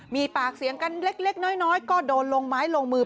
มีปากเสียงกันเล็กน้อยก็โดนลงไม้ลงมือ